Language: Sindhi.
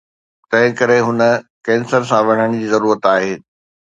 تنهنڪري هن ڪينسر سان وڙهڻ جي ضرورت آهي